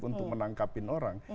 untuk menangkapin orang